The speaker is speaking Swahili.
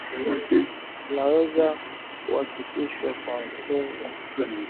vinaweza kuakifishwa kwa nunge,